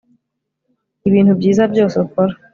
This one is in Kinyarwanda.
ibintu byiza byose ukora